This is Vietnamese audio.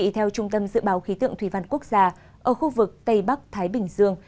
theo trung tâm dự báo khí tượng thủy văn quốc gia ở khu vực tây bắc thái bình dương